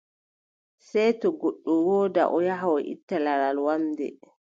Sey to goɗɗo woodaa, o yaha o itta laral wamnde.